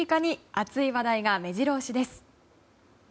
熱い話題が目白押しです。